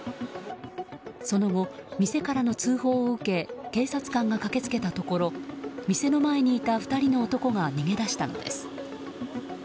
その後、店からの通報を受け警察官が駆け付けたところ店の前にいた２人の男が逃げ出したのです。